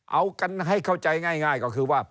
เอากันให้เข้าใจง่ายก็คือว่า